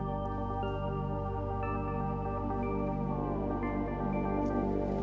ambil tuh pulang aja